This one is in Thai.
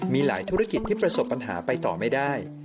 มีหลายธุรกิจที่ประสบปัญหาไปต่อไม่ได้